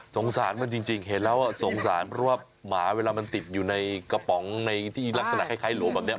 สงสารมันจริงเห็นแล้วสงสารเพราะว่าหมาเวลามันติดอยู่ในกระป๋องในที่ลักษณะคล้ายหลัวแบบนี้